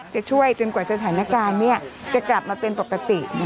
จะช่วยจนกว่าสถานการณ์จะกลับมาเป็นปกติ